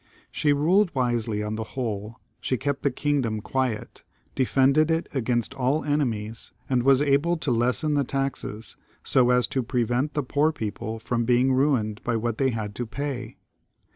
She ruled wisely on the whole; she kept the kingdom quiet, defended it against all enemies, and was abl^ to lessen the taxes, so as to pre vent the poor people from being ruined by what they had to pay.